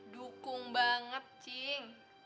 dukung banget cing